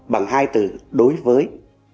bằng hai từ đối với